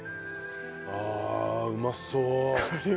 ああうまそう。